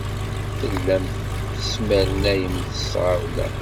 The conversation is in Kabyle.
Tellamt tesmernayemt s tɣawla.